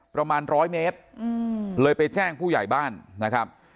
ประมาณร้อยเมตรเลยไปแจ้งผู้ใหญ่บ้านนะครับ